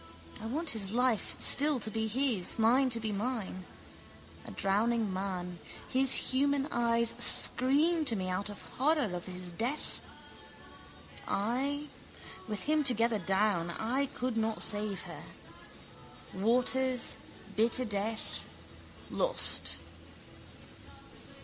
I want his life still to be his, mine to be mine. A drowning man. His human eyes scream to me out of horror of his death. I... With him together down... I could not save her. Waters: bitter death: lost.